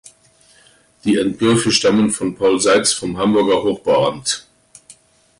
Die Entwürfe stammten von Paul Seitz vom Hamburger Hochbauamt.